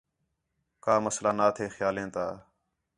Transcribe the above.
کا مسئلہ نا تھے خیالیں تا